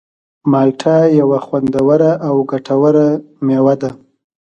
مالټه یوه خوندوره او ګټوره مېوه ده.